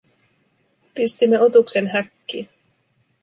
Pistimme otuksen häkkiin.